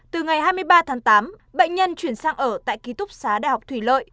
từ ngày hai mươi ba tháng tám bệnh nhân chuyển sang ở tại ký túc xá đại học thủy lợi